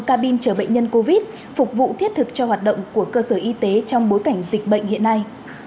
cabin chở bệnh nhân covid phục vụ thiết thực cho hoạt động của cơ sở y tế trong bối cảnh dịch bệnh hiện nay